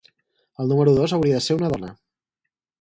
El número dos hauria de ser una dona.